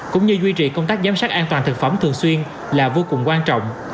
cũng như duy trì công tác giám sát an toàn thực phẩm thường xuyên là vô cùng quan trọng